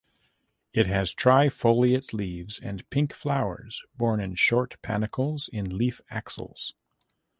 It has trifoliate leaves and pink flowers borne in short panicles in leaf axils.